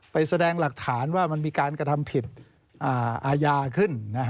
แสดงหลักฐานว่ามันมีการกระทำผิดอาญาขึ้น